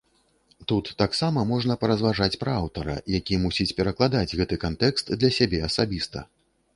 Тут таксама можна паразважаць пра аўтара, які мусіць перакладаць гэты кантэкст для сябе асабіста.